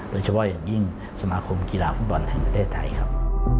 โดยเฉพาะอย่างยิ่งสมาคมกีฬาฟุตบอลแห่งประเทศไทยครับ